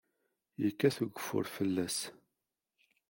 Yekkat ugeffur fell-as.